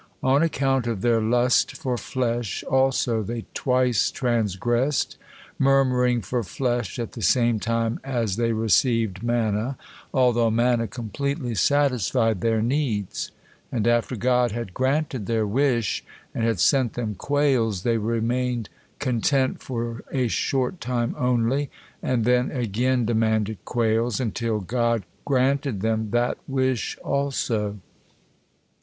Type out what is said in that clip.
On account of their lust for flesh also they twice transgressed, murmuring for flesh at the same time as they received manna, although manna completely satisfied their needs; and after God had granted their wish and had sent them quails, they remains content for a short time only, and then again demanded quails, until God granted them that wish also.